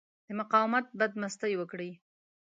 د مقاومت بدمستي وکړي.